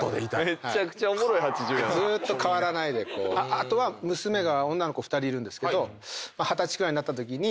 あとは娘が女の子２人いるんですけど二十歳くらいになったときに。